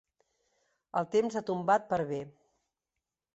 El temps ha tombat per bé.